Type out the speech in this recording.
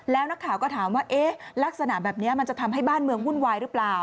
แล้วนักข่าวก็ถามว่าเอ๊ะลักษณะแบบนี้มันจะทำให้บ้านเมืองวุ่นวายหรือเปล่า